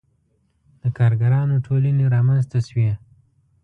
• د کارګرانو ټولنې رامنځته شوې.